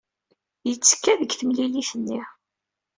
Yettekka deg temlilit-nni.